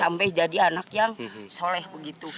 sampai jadi anak yang soleh begitu